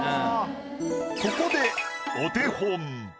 ここでお手本。